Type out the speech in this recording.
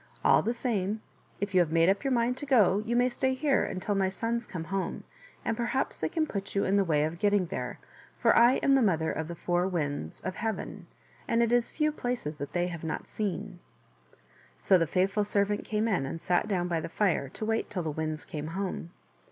All the same, if you have made up your mind to ^e poung l^fog {oo&9tspon t htmtifnl 20 THE WATER OF LIFE. go you may stay here until my sons come home, and perhaps they can put you in the way of getting there, for I am the Mother of the Four Winds of Heaven, and it is few places that they have not seen." So the faithful servant came in and sat down by the fire to wait till the Winds came home.